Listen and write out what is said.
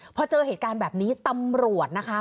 พอเจอเหตุการณ์แบบนี้ตำรวจนะคะ